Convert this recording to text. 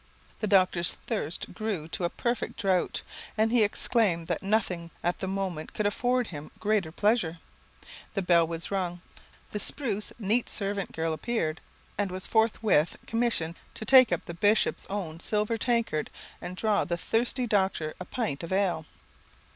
The doctor's thirst grew to a perfect drought, and he exclaimed that nothing at that moment could afford him greater pleasure. The bell was rung; the spruce, neat servant girl appeared, and was forthwith commissioned to take the bishop's own silver tankard and draw the thirsty doctor a pint of ale.